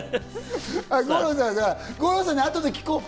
五郎さんにあとで聞こう。